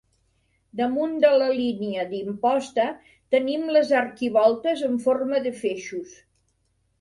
Damunt de la línia d'imposta tenim les arquivoltes amb forma de feixos.